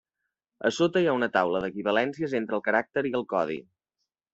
A sota hi ha una taula d'equivalències entre el caràcter i el codi.